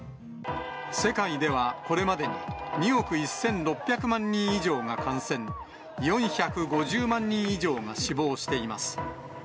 世界では、これまでに２億１６００万人以上が感染、４５０万人以上が死亡しています。